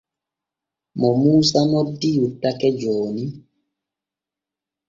Mo Muusa noddi yottake jooni.